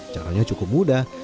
caranya cukup mudah